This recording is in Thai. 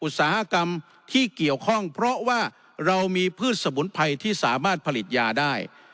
อุตสาหกรรมที่เกี่ยวข้องเพราะว่าเรามีพืชสมุนไพรที่สามารถผลิตยาได้